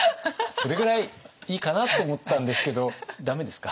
それぐらいいいかなと思ったんですけど駄目ですか？